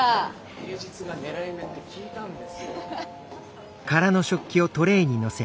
平日が狙い目って聞いたんですよ。